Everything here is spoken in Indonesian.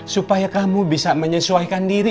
supaya kamu bisa menyesuaikan diri